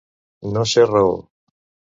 No ser raó.